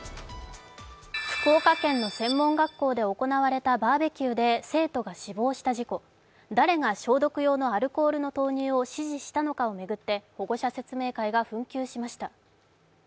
福岡県の専門学校で行われたバーベキューで生徒が死亡した事故、誰が消毒用のアルコールの投入を指示したのかを巡って保護者説明会が紛糾しました。